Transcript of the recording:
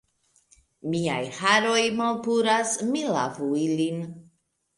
Miaj haroj malpuras. Mi lavu ilin.